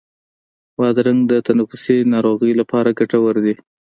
بادرنګ د تنفسي ناروغیو لپاره ګټور دی.